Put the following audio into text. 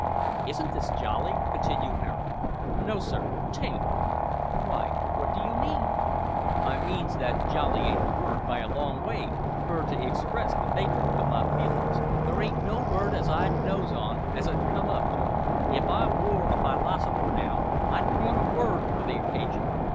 "Isn't this jolly?" continued Harold. "No, sir, 'taint." "Why, what d'you mean?" "I means that jolly ain't the word, by a long way, for to express the natur' o' my feelin's. There ain't no word as I knows on as 'ud come up to it. If I wor a fylosipher, now, I'd coin a word for the occasion.